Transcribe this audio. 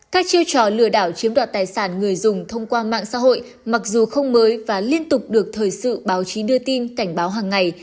các chiêu trò lừa đảo chiếm đoạt tài sản người dùng thông qua mạng xã hội mặc dù không mới và liên tục được thời sự báo chí đưa tin cảnh báo hàng ngày